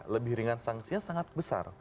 lebih ringan sanksinya sangat besar